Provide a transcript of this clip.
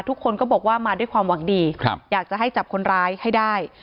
ทุกคนก็บอกว่ามาด้วยความหวังดีอยากจะให้จับคนร้ายให้ได้